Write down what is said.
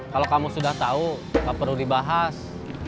kalau kamu sudah tahu nggak perlu dibahas